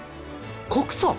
告訴？